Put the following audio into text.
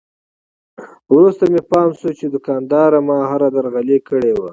وروسته مې پام شو چې دوکاندار ماهره درغلي کړې وه.